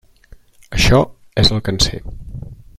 Això és el que en sé.